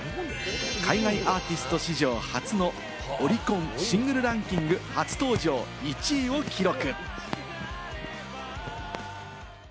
海外アーティスト史上初のオリコン・シングルランキング初登場１位を記録。